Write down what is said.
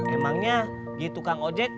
emangnya gitu kang ojek